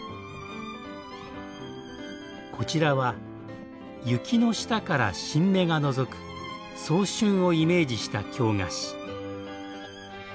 こちらは雪の下から新芽がのぞく早春をイメージした京菓子。